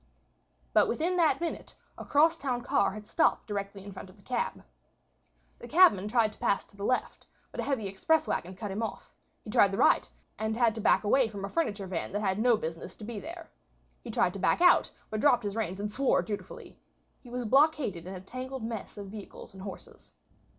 But within that minute a crosstown car had stopped directly in front of the cab. The cabman tried to pass to the left, but a heavy express wagon cut him off. He tried the right, and had to back away from a furniture van that had no business to be there. He tried to back out, but dropped his reins and swore dutifully. He was blockaded in a tangled mess of vehicles and horses.